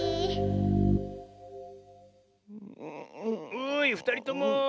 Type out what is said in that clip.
おいふたりとも。